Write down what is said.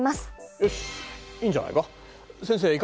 よしいいんじゃないか。